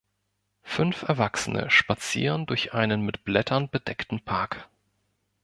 Fünf Erwachsene spazieren durch einen mit Blättern bedeckten Park.